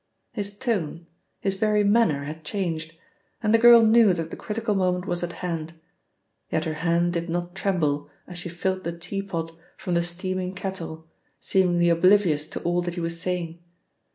His tone, his very manner had changed, and the girl knew that the critical moment was at hand. Yet her hand did not tremble as she filled the teapot from the steaming kettle, seemingly oblivious to all that he was saying.